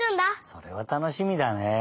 それはたのしみだね。